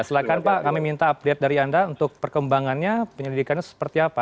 silahkan pak kami minta update dari anda untuk perkembangannya penyelidikannya seperti apa